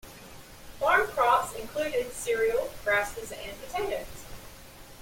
Farm crops included cereal grasses and potatoes.